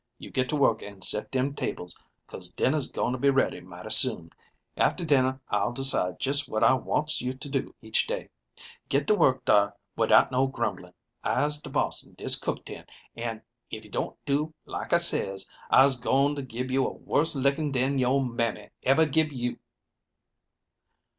You get to work an' set dem tables, 'cause dinner's going to be ready mighty soon. After dinner I'll decide jus' what I wants you to do each day. Get to work dar widout no grumbling. I'se de boss in dis cook tent, an', if you don't do like I says, I'se goin' to gib you a worse lickin' dan youah mammy ebber gib you."